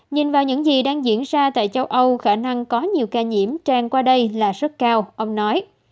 nhìn vào những gì đang diễn ra tại châu âu khả năng có nhiều ca nhiễm tràn qua đây là rất cao ông nói